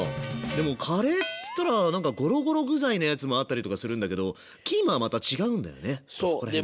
でもカレーっつったら何かゴロゴロ具材のやつもあったりとかするんだけどキーマはまた違うんだよねそこら辺。